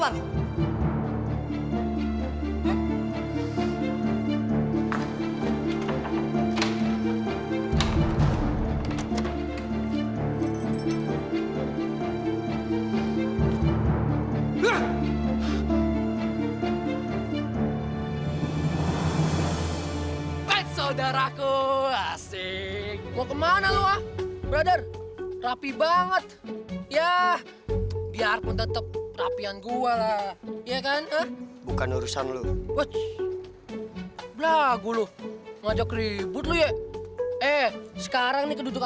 lia kita kesana yuk